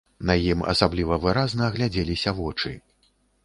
На ім асабліва выразна глядзеліся вочы.